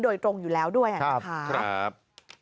โดยตรงอยู่แล้วด้วยนะคะ